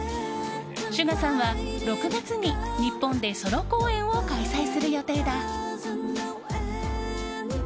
ＳＵＧＡさんは６月に日本でソロ公演を開催する予定だ。